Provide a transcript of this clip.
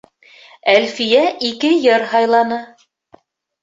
Әлфиә ике йыр һайланы.